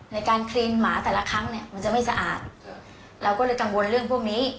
ในการคลีนหมาแต่ละครั้งเนี่ยมันจะไม่สะอาดเราก็เลยกังวลเรื่องพวกนี้